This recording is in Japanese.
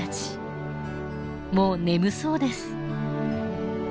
もう眠そうです。